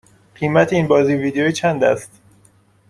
قیمت این بازی ویدیویی چند است؟